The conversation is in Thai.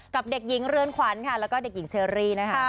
กับเด็กหญิงเรือนขวัญค่ะแล้วก็เด็กหญิงเชอรี่นะคะ